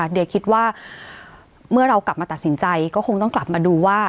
เดี๋ยวคิดว่าเมื่อเรากลับมาตัดสินใจก็คงต้องกลับมาดูว่า